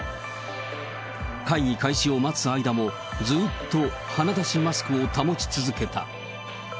会議開始を待つ間も、ずーっと鼻だしマスクを保ち続けた。